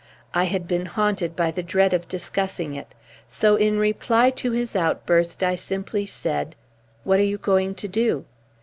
I had been haunted by the dread of discussing it. So in reply to his outburst I simply said: "What are you going to do?"